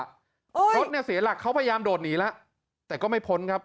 รถเนี่ยเสียหลักเขาพยายามโดดหนีแล้วแต่ก็ไม่พ้นครับ